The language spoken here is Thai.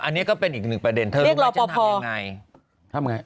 อันนี้ก็เป็นอีกหนึ่งประเด็นเธอไม่รู้จะทำยังไงทำไง